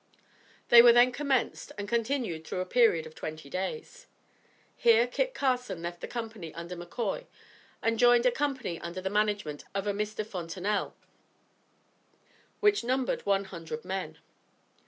They were then commenced and continued through a period of twenty days. Here Kit Carson left the company under McCoy and joined a company under the management of a Mr. Fontenelle which numbered one hundred men.